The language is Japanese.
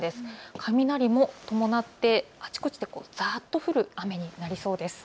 雷も伴って、あちこちでざーっと降る雨になりそうです。